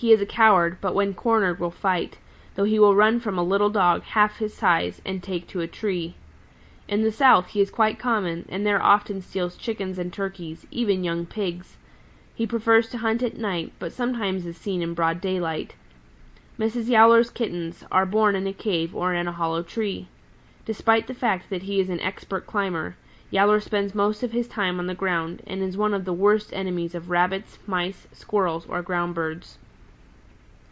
He is a coward, but when cornered will fight, though he will run from a little Dog half his size and take to a tree. In the South he is quite common and there often steals Chickens and Turkeys, even young Pigs. He prefers to hunt at night, but sometimes is seen in broad daylight. Mrs. Yowler's kittens are born in a cave or in a hollow tree. Despite the fact that he is an expert climber, Yowler spends most of his time on the ground and is one of the worst enemies of Rabbits, Mice, Squirrels and ground Birds.